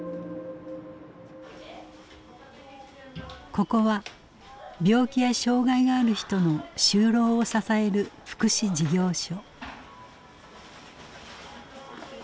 ここは病気や障害がある人の就労を支える福祉事業所。